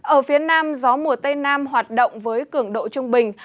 ở phía nam gió mùa tây nam hoạt động với cường độ trung bình